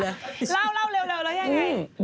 เล่าเร็วแล้วยังไง